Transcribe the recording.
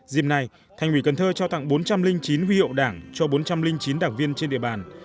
dìm nay thành ủy cần thơ trao tặng bốn trăm linh chín huy hậu đảng cho bốn trăm linh chín đảng viên trên địa bàn